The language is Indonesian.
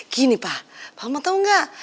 gini pa pa mau tau gak